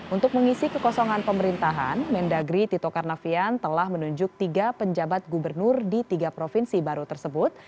untuk mengisi kekosongan pemerintahan mendagri tito karnavian telah menunjuk tiga penjabat gubernur di tiga provinsi baru tersebut